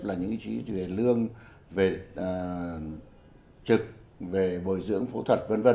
là những chi phí về lương về trực về bồi dưỡng phẫu thuật v v